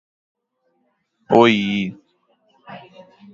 mérito